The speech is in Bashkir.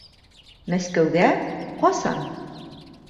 Мәскәүгә? Ҡасан?